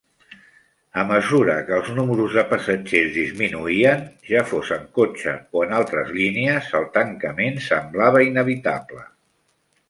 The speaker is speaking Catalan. A mesura que els números de passatgers disminuïen, ja fos en cotxe o en altres línies, el tancament semblava inevitable.